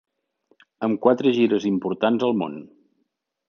Amb quatre gires importants al món.